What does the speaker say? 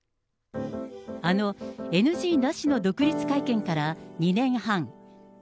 あのＮＧなしの独立会見から２年半。